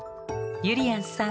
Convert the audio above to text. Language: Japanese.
ゆりやんさん